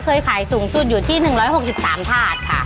เคยขายสูงสุดอยู่ที่๑๖๓ถาดค่ะ